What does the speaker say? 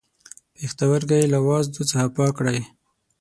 پښتورګی له وازدو څخه پاک کړئ.